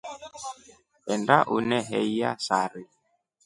Enda uneheiya sari.